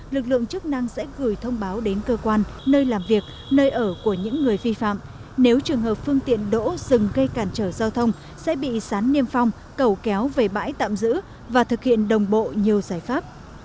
lực lượng chức năng sẽ gửi thông báo đến cơ quan nơi làm việc nơi ở của những người vi phạm nếu trường hợp phương tiện đỗ dừng gây cản trở giao thông sẽ bị sán niêm phong cầu kéo về bãi tạm giữ và thực hiện đồng bộ nhiều giải pháp